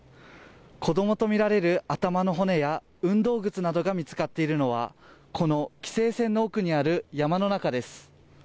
子供とみられる頭の骨や運動靴などが見つかっているのはこの規制線の奥にある山の中です。